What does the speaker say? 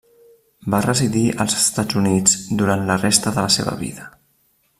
Va residir als Estats Units durant la resta de la seva vida.